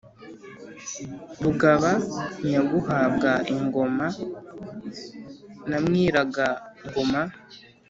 rugaba nyaguhabwa ingoma na mwiraga-ngoma